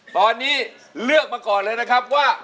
ตอนนี้เลือกมาก่อนเลยนะครับว่า